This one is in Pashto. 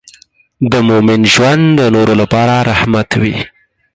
د مؤمن ژوند د نورو لپاره رحمت وي.